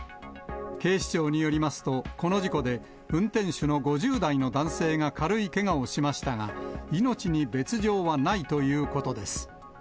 警視庁によりますと、この事故で、運転手の５０代の男性が軽いけがをしましたが、命に別状はないということです。